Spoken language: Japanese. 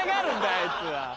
あいつは。